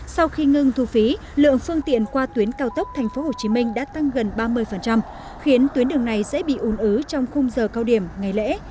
sau khi ngừng thu phí lượng phương tiện qua tuyến cao tốc tp hcm đã tăng gần ba mươi khiến tuyến đường này sẽ bị ùn ứ trong khung giờ cao điểm ngày lễ